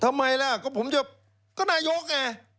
ทำไมล่ะก็ผมจะก็นายกไง